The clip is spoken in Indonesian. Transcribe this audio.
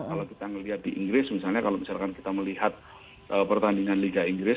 kalau kita melihat di inggris misalnya kalau misalkan kita melihat pertandingan liga inggris